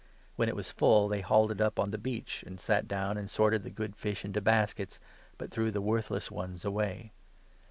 When it was full, they hauled it up on the beach, 48 and sat down and sorted the good fish into baskets, but threw the worthless ones away.